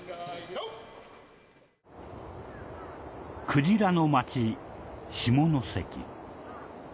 クジラの街下関。